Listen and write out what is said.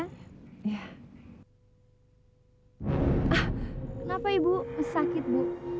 kenapa ibu masih sakit bu